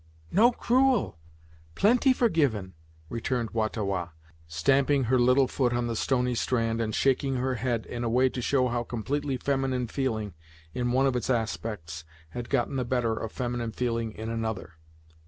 "No cruel plenty forgiven " returned Wah ta Wah, stamping her little foot on the stony strand, and shaking her head in a way to show how completely feminine feeling, in one of its aspects, had gotten the better of feminine feeling in another.